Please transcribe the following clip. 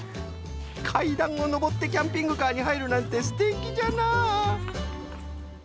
かいだんをのぼってキャンピングカーにはいるなんてすてきじゃな。